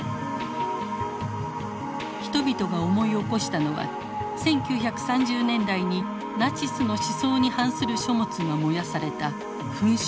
人々が思い起こしたのは１９３０年代にナチスの思想に反する書物が燃やされた焚書でした。